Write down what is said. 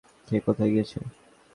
সে কোথায় গিয়েছে?